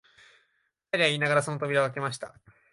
二人は言いながら、その扉をあけました